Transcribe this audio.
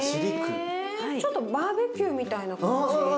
ちょっとバーベキューみたいな感じ。